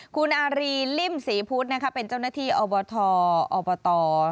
คุณอารีลิ่มศรีพุทธนะคะเป็นเจ้าหน้าที่อบทอบต